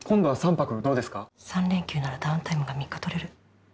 「三連休ならダウンタイムが三日取れる」。